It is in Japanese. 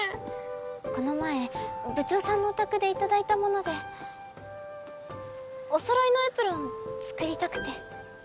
この前部長さんのお宅で頂いたものでおそろいのエプロン作りたくて。